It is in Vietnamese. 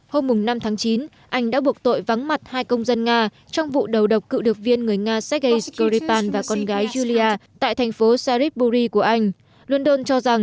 hôm năm tháng chín anh đã buộc tổng thống